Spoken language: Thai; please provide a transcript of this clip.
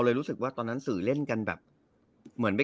อยู่แล้วอะ